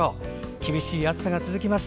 厳しい暑さが続きます。